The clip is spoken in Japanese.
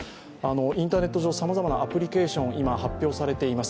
インターネット上、さまざまなアプリケーション、今、発表されて榮ます。